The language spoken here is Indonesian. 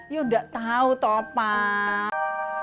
ya udah tau toh pak